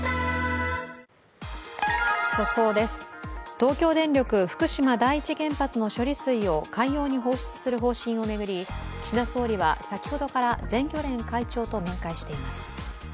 東京電力福島第一原発の処理水を海洋に放出する方針を巡り岸田総理は先ほどから全漁連会長と面会しています。